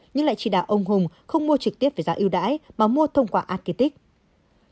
nhưng lại chỉ đạo ông hùng không mua trực tiếp về giá ưu đãi mà mua thông qua architect